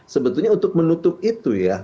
sebetulnya untuk menutup itu